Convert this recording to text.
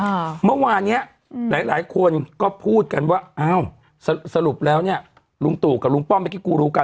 เมื่อวานเนี้ยอืมหลายหลายคนก็พูดกันว่าอ้าวสรุปแล้วเนี้ยลุงตู่กับลุงป้อมเมื่อกี้กูรู้กัน